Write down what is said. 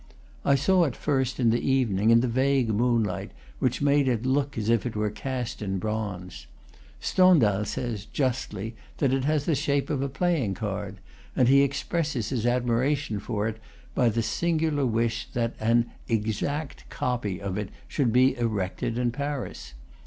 I saw it first in the evening, in the vague moonlight, which made it look as if it were cast in bronze. Stendhal says, justly, that it has the shape of a playing card, and he ex presses his admiration for it by the singular wish that an "exact copy" of it should be erected in Paris.